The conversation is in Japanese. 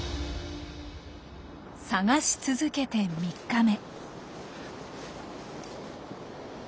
探し続けて３日目。